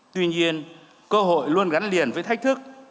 tuy nhiên cơ hội luôn gắn liền với thách thức